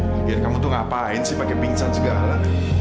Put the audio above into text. biar kamu tuh ngapain sih pake pingsan segala